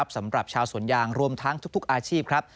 สำหรับชาวสวนยางรวมทั้งทุกอาชีพครับ